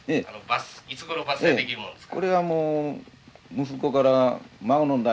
いつごろ伐採できるもんですか？